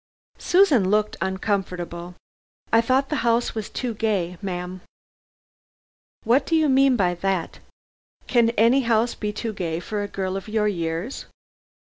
Susan looked uncomfortable. "I thought the house was too gay, ma'am." "What do you mean by that? Can any house be too gay for a girl of your years?"